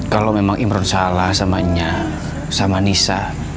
kalau memang imron salah sama nya sama nisa